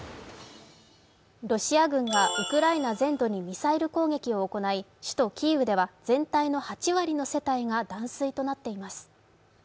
ロシア軍がウクライナ全土にミサイル攻撃を行い首都キーウでは全体の８割の世帯が断水となっています。